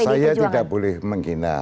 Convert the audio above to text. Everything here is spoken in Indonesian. saya tidak boleh menghina